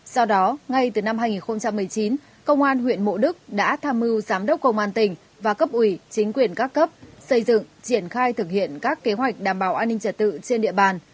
sau đó ngay từ năm hai nghìn một mươi chín công an huyện mộ đức đã tham mưu giám đốc công an tỉnh và cấp ủy chính quyền các cấp xây dựng triển khai thực hiện các kế hoạch đảm bảo an ninh trật tự trên địa bàn